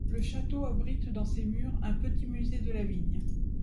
Le château abrite dans ses murs un petit musée de la vigne.